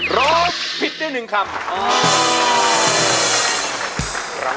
ฟ้าเพลงคุณหนูตรีค่ะ